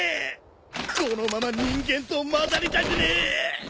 このまま人間とまざりたくねえ！